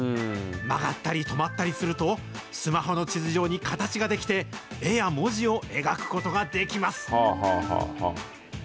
曲がったり止まったりすると、スマホの地図上に形が出来て、絵や文字を描くことができます。